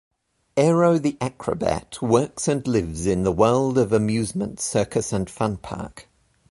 Aero the Acro-Bat works and lives in The World of Amusement Circus and Funpark.